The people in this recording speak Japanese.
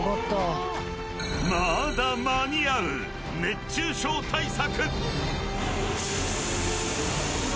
まだ間に合う熱中症対策！